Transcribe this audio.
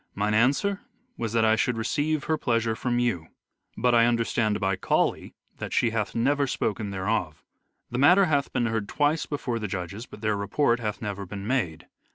Mine answer was that I should receive her pleasure from you. But I understand by Cauley that she hath never spoken thereof. The matter hath been heard twice before the judges but their report hath never been made.